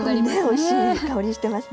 おいしい香りしてますね。